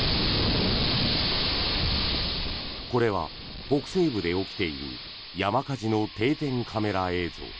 これは北西部で起きている山火事の定点カメラ映像。